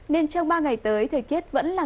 nên trong ba ngày tới thời kiết vẫn là